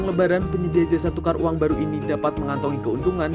untuk apa uang baru yang untuk bagikan anak anak setiap momen ramadhan hingga menjelang lebaran